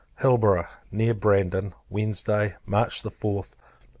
Hilborough, near Brandon, Wednesday, March 4th, 1801.